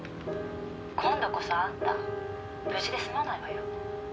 「今度こそあんた無事で済まないわよ」